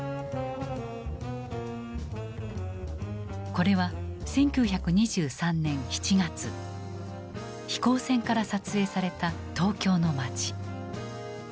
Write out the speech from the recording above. これは１９２３年７月飛行船から撮影された東京の街。